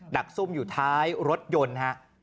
ดักซุ่มอยู่ท้ายรถยนต์ฮะ